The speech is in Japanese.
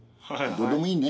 どうでもいいね。